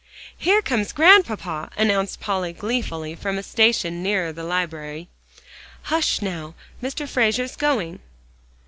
"Here comes Grandpapa!" announced Polly gleefully, from a station nearer the library. "Hush, now, Mr. Frazer's going!"